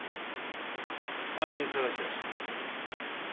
犯人捜しはしない。